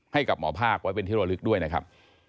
ให้กับหมอภาคไว้เป็นที่ระลึกด้วยนะครับ